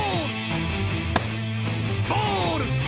ボール！